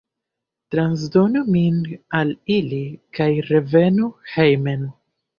Transdonu min al ili kaj revenu hejmen.